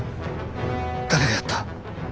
誰がやった？